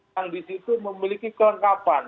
yang di situ memiliki kelengkapan